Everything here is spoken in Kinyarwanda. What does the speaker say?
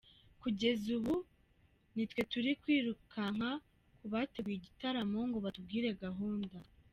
Kugeza ubu nit we turi kwirukanka ku bateguye igitaramo ngo batubwire gahunda.